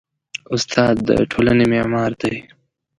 استاد د ټولنې معمار دی.